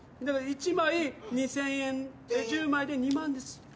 だから１枚２，０００円１０枚で２万です。